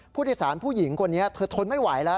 ผู้โดยสารผู้หญิงคนนี้เธอทนไม่ไหวแล้ว